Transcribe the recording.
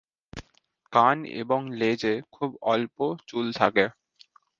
কান এবং লেজে খুব অল্প চুল থাকে।